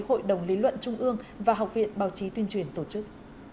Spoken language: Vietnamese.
hội đồng lý luận trung ương và học viện báo chí tuyên truyền tổ chức